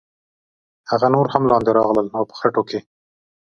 هغه نور هم لاندې راغلل او په خټو کې.